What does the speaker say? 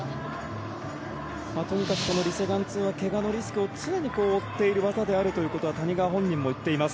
とにかくこのリ・セグァン２は怪我のリスクを常に負っている技であるということは谷川本人も言っています。